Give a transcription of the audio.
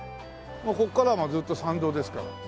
もうここからはずっと参道ですから。